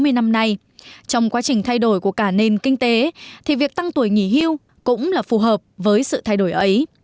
tại sáu mươi năm nay trong quá trình thay đổi của cả nền kinh tế thì việc tăng tuổi nghỉ hưu cũng là phù hợp với sự thay đổi ấy